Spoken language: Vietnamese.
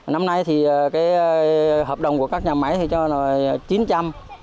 năm nay thì hợp đồng của các nhà máy thì cho là chín trăm linh